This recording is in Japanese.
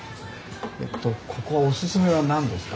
えっとここはおすすめは何ですか？